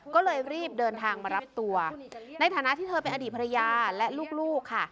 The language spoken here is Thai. ก็เลยรีบเดินทางมารับตัวในฐานะที่เธอเป็นอดีตภรรยาและลูกค่ะ